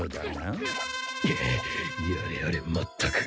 やれやれまったく。